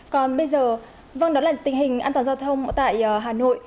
còn bây giờ vâng đó là tình hình an toàn giao thông tại hà nội